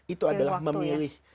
itu adalah memilih